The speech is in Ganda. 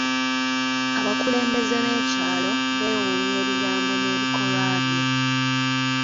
Abakulembeze b'ekyalo beeewuunya ebigambo n'ebikolwa bye.